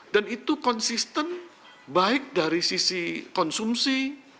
dan itu konsisten baik dari sisi konsumsi